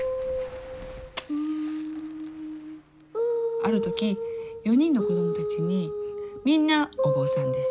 ある時４人の子どもたちにみんなお坊さんです